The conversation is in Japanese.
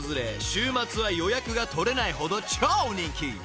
週末は予約が取れないほど超人気］